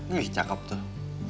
wih cakep tuh